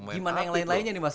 gimana yang lain lainnya nih mas